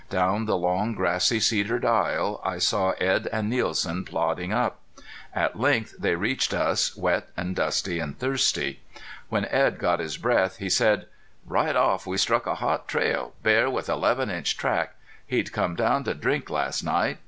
Down the long, grassy, cedared aisle I saw Edd and Nielsen plodding up. At length they reached us wet and dusty and thirsty. When Edd got his breath he said: "Right off we struck a hot trail. Bear with eleven inch track. He'd come down to drink last night.